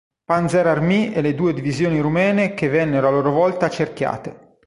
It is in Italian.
Panzerarmee e le due divisioni rumene che vennero a loro volta accerchiate.